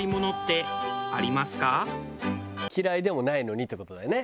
嫌いでもないのにって事だよね？